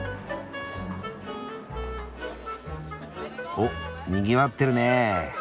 おっにぎわってるね。